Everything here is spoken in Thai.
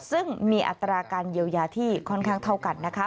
ซึ่งมีอัตราการเยียวยาที่ค่อนข้างเท่ากันนะคะ